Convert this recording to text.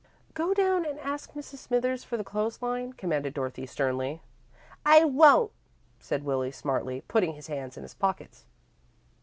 "Go down and ask Mrs. Smithers for the clothes line," commanded Dorothy, sternly. "I won't," said Willie, smartly, putting his hands in his pockets.